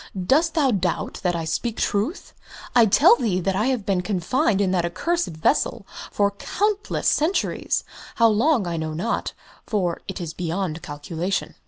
"Dost thou doubt that I speak truth? I tell thee that I have been confined in that accursed vessel for countless centuries how long, I know not, for it is beyond calculation."